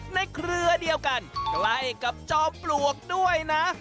เครือเดียวกันใกล้กับจอมปลวกด้วยนะ